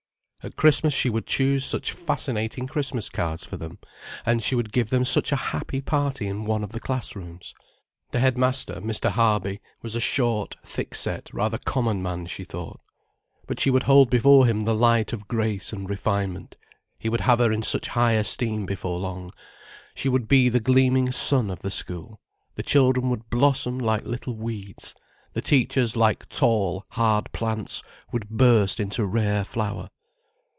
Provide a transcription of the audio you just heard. At Christmas she would choose such fascinating Christmas cards for them, and she would give them such a happy party in one of the class rooms. The headmaster, Mr. Harby, was a short, thick set, rather common man, she thought. But she would hold before him the light of grace and refinement, he would have her in such high esteem before long. She would be the gleaming sun of the school, the children would blossom like little weeds, the teachers like tall, hard plants would burst into rare flower.